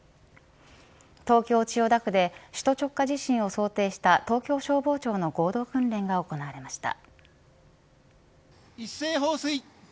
東京・千代田区で首都直下地震を想定した東京消防庁の合同訓練が行われました。